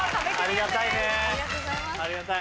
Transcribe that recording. ありがたいねぇ。